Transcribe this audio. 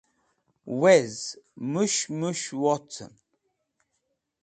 Weze! Mushmush Wocen